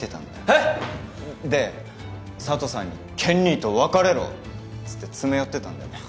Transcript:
えっ！？で佐都さんに健兄と別れろっつって詰め寄ってたんだよね。